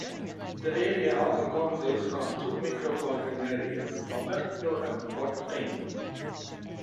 The area also consists of two micropolitan areas, Albertville and Fort Payne.